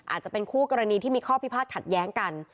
อาจจะเป็นคู่กรณีที่มีข้อพิพาทขัดแย้งกัน